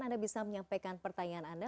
anda bisa menyampaikan pertanyaan anda